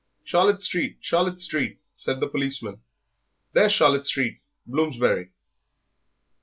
"Charlotte Street, Charlotte Street," said the policeman, "there's Charlotte Street, Bloomsbury."